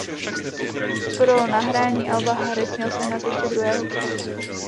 Pro nahrání alba Harris chtěl sehnat ještě druhého kytaristu.